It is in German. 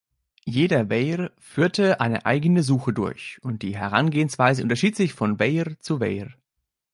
Jeder Weyr führte eine eigene Suche durch, und die Herangehensweise unterschied sich von Weyr zu Weyr.